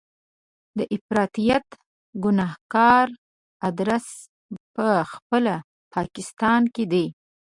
د افراطیت ګنهګار ادرس په خپله په پاکستان کې دی.